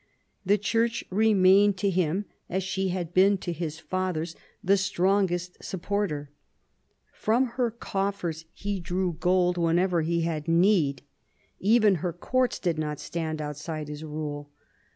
The Church remained to him, as she had been to his fathers, the strongest supporter. From her coffers he drew gold whenever I 114 PHILIP AUGUSTUS chap. he had need. Even her courts did not stand outside his rule.